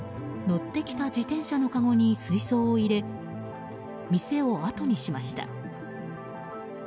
乗ってきた自転車のかごに水槽を入れ店をあとにしました。